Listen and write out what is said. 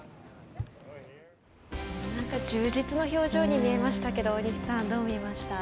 充実の表情に見えましたが大西さん、どう見ました？